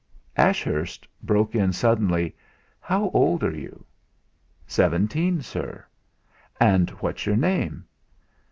Ashurst broke in suddenly: "How old are you?" "Seventeen, Sir." "And what's your name?"